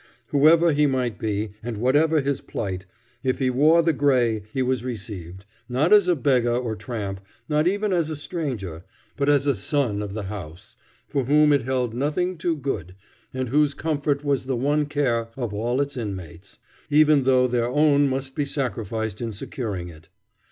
Whoever he might be, and whatever his plight, if he wore the gray, he was received, not as a beggar or tramp, not even as a stranger, but as a son of the house, for whom it held nothing too good, and whose comfort was the one care of all its inmates, even though their own must be sacrificed in securing it.